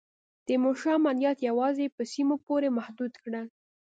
تیمورشاه عملیات یوازي په سیمو پوري محدود کړل.